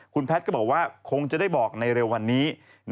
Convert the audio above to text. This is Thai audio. คุณแพทย์ก็บอกว่าคงจะได้บอกในเร็ววันนี้